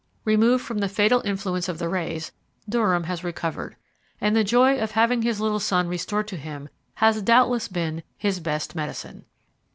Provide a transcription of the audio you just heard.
Removed from the fatal influence of the rays Durham has recovered, and the joy of having his little son restored to him has doubtless been his best medicine.